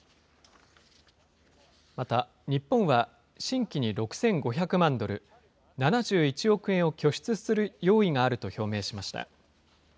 また日本は、新規に６５００万ドル、７１億円を拠出する用意があると表明しました。